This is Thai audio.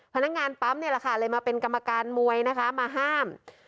พนักงานปั๊มนี่แหละค่ะเลยมาเป็นกรรมการมวยนะคะมาห้าม